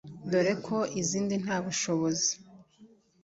dore ko izindi nta bushobizi